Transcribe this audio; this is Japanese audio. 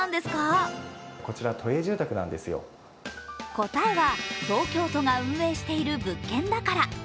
答えは東京都が運営している物件だから。